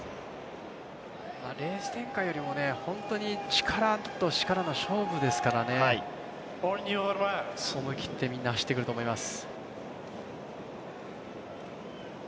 レース展開よりも本当に力と力の勝負ですから、思い切ってみんな走ってくると思います。